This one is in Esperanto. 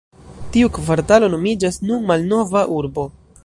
Tiu kvartalo nomiĝas nun "Malnova Urbo".